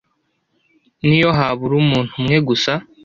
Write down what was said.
niyo habura umuntu umwe gusa